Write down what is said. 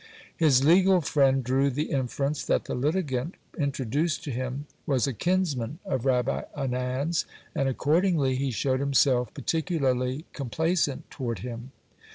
His legal friend drew the inference, that the litigant introduced to him was a kinsman of Rabbi Anan's, and accordingly he showed himself particularly complaisant toward him.